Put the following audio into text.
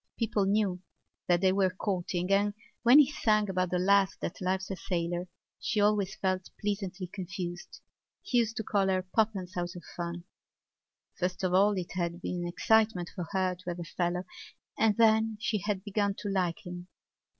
People knew that they were courting and, when he sang about the lass that loves a sailor, she always felt pleasantly confused. He used to call her Poppens out of fun. First of all it had been an excitement for her to have a fellow and then she had begun to like him.